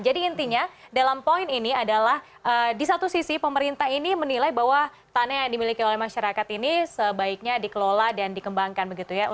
jadi intinya dalam poin ini adalah di satu sisi pemerintah ini menilai bahwa tanah yang dimiliki oleh masyarakat ini sebaiknya dikelola dan dikembangkan